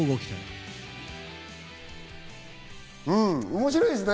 面白いですね。